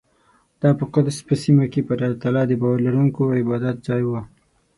دا په قدس په سیمه کې پر الله تعالی د باور لرونکو عبادتځای و.